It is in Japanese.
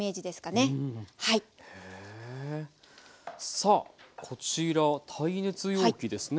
さあこちら耐熱容器ですね。